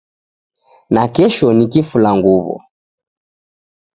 Nakesho ni kifulanguw'o